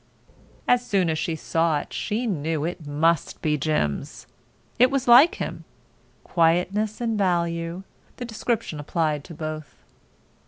As soon as she saw it she knew that it must be Jim's. It was like him. Quietness and value—the description applied to both.